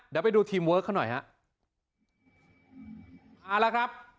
เดี๋ยวไปดูทีมเวิร์คเขาหน่อยฮะเอาละครับ